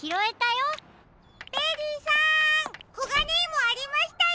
ベリーさんコガネイモありましたよ！